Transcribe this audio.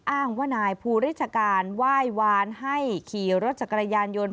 อ้างว่านายภูริชการไหว้วานให้ขี่รถจักรยานยนต์